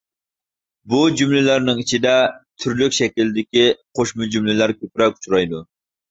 بۇ جۈملىلەرنىڭ ئىچىدە تۈرلۈك شەكىلدىكى قوشما جۈملىلەر كۆپرەك ئۇچرايدۇ.